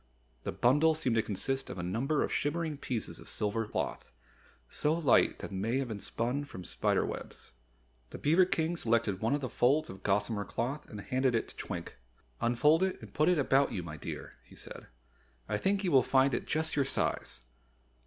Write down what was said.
The bundle seemed to consist of a number of shimmering pieces of silver cloth, so light they might have been spun from spider webs. The beaver King selected one of the folds of gossamer cloth and handed it to Twink. "Unfold it and put it about you, my dear," he said. "I think you will find it just your size."